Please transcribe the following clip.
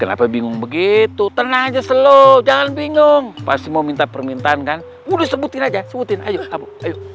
kenapa bingung begitu tenang aja slo jangan bingung pasti mau minta permintaan kan udah sebutin aja sebutin aja